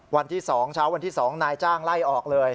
วันที่๒เช้าวันที่๒นายจ้างไล่ออกเลย